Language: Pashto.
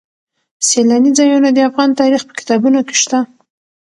سیلاني ځایونه د افغان تاریخ په کتابونو کې شته.